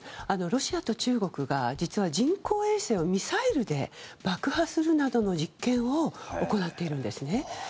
ロシアと中国が、実は人工衛星をミサイルで爆破するなどの実験を行っているんですね。